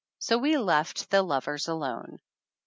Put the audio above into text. So we left the lovers alone.